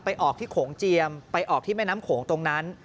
ออกที่โขงเจียมไปออกที่แม่น้ำโขงตรงนั้น